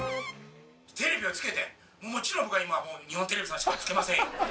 テレビをつけて、もちろん、僕は今、日本テレビさんしかつけませんよ。